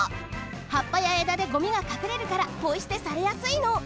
はっぱやえだでごみがかくれるからポイすてされやすいの。